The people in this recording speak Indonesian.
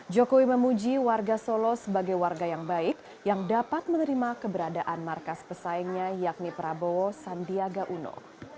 jokowi memuji warga solo sebagai warga yang baik yang dapat menerima keberadaan markas pesaingnya yakni prabowo sandiaga uno